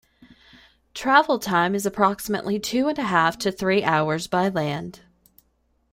Travel time is approximately two and a half to three hours by land.